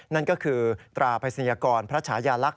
นั่นก็คือตราปรายสัญญากรพระชายาลักษณ์